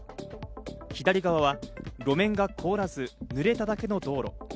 左側は路面が凍らず、濡れただけの道路。